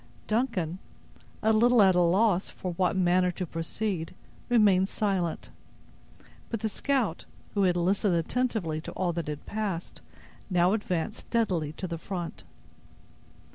Duncan, a little at a loss in what manner to proceed, remained silent; but the scout, who had listened attentively to all that passed, now advanced steadily to the front.